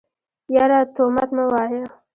يره تومت مه وايه.